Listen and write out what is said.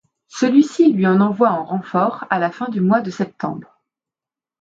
Celui-ci lui envoie en renfort à la fin du mois de septembre.